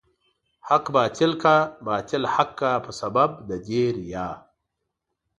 حق باطل کا، باطل حق کا په سبب د دې ريا